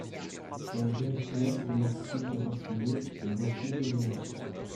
Son jeune frère, domestique d'un conseiller, le reçut durement.